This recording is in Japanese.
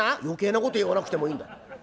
「余計なこと言わなくてもいいんだ。